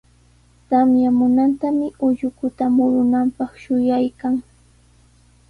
Tamyamunantami ullukuta murunanpaq shuyaykan.